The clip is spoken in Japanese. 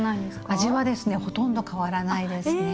味はですねほとんど変わらないですね。